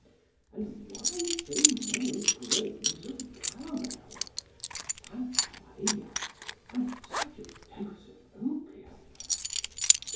——And why so many grains of calomel? santa Maria! and such a dose of opium!